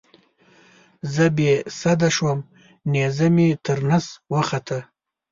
زه بې سده شوم نیزه مې تر نس وخوته.